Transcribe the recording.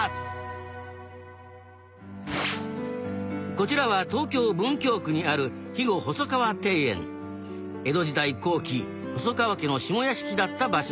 こちらは東京・文京区にある江戸時代後期細川家の下屋敷だった場所。